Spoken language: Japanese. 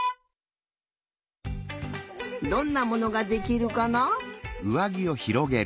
どんなものができるかな？